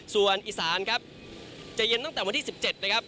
ส่วนอีสานครับจะเย็นตั้งแต่วันที่๑๗นะครับ